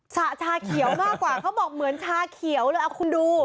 ชาเขียวมากกว่าเขาบอกเหมือนชาเขียวเลยเอาคุณดู